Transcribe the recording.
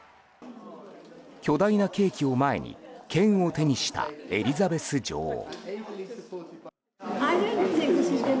巨大なケーキを前に剣を手にしたエリザベス女王。